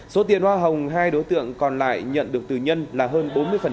số tiền hoa hồng hai đối tượng còn lại nhận được từ nhân là hơn bốn mươi